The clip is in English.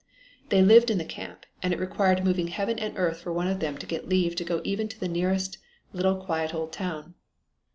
They lived in the camp, and it required moving heaven and earth for one of them to get leave to go even to the nearest little quiet old town.